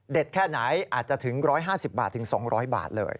แค่ไหนอาจจะถึง๑๕๐บาทถึง๒๐๐บาทเลย